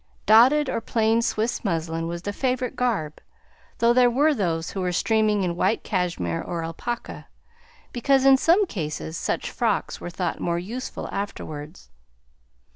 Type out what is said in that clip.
Dotted or plain Swiss muslin was the favorite garb, though there were those who were steaming in white cashmere or alpaca, because in some cases such frocks were thought more useful afterwards.